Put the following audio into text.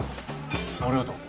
ありがとう。